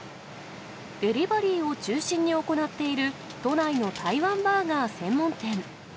デリバリーを中心に行っている、都内の台湾バーガー専門店。